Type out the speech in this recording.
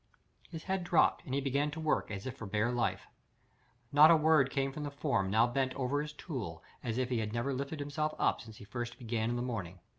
His head dropped, and he began to work as if for bare life. Not a word came from the form now bent over his tool as if he had never lifted himself up since he first began in the morning.